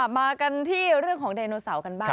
มากันที่เรื่องของไดโนเสาร์กันบ้าง